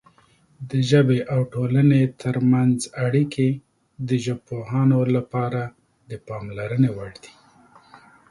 د ژبې او ټولنې ترمنځ اړیکې د ژبپوهانو لپاره د پاملرنې وړ دي.